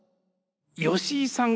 吉井さん